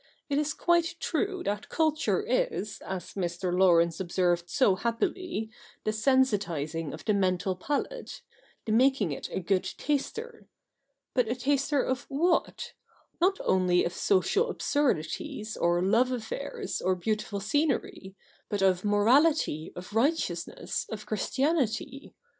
It is quite true that culture is, as Mr. Laurence observed so happily, the sensitising of the mental palate — the making it a good taster. But a taster of what ? Not only of social absurdities, or love affairs, or beautiful scenery, but of morality, of righteousness, of Christianity.